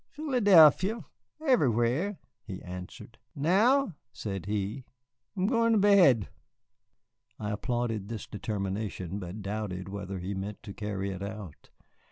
Philadelphia... everywhere," he answered. "Now," said he, "'mgoin' t' bed." I applauded this determination, but doubted whether he meant to carry it out.